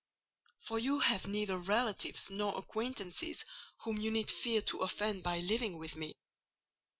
for you have neither relatives nor acquaintances whom you need fear to offend by living with me?"